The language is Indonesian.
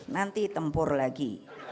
nanti tempur lagi